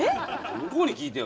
向こうに聞いてよ。